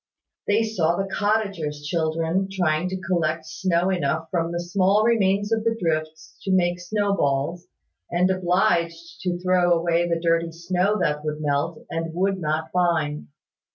They saw the cottagers' children trying to collect snow enough from the small remains of the drifts to make snow balls, and obliged to throw away the dirty snow that would melt, and would not bind.